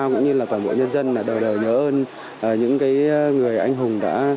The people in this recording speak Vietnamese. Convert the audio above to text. cũng như là cả mọi nhân dân là đời đời nhớ ơn những cái người anh hùng